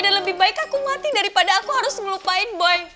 dan lebih baik aku mati daripada aku harus ngelupain boy